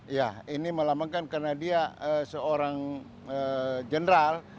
iya ini melambangkan karena dia seorang jenderal